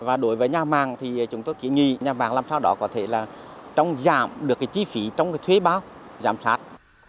và đối với nhà màng thì chúng tôi kỹ nghị nhà màng làm sao đó có thể giảm được chi phí trong thuế báo giám sát